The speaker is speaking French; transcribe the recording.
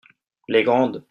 Les grandes.